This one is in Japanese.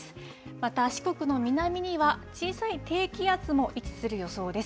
また、四国の南には、小さい低気圧も位置する予想です。